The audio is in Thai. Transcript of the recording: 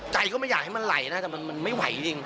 ก็ไม่อยากให้มันไหลนะแต่มันไม่ไหวจริง